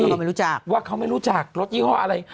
คือไม่รู้จักว่าเขาไม่รู้จักรถยี่ห้ออะไร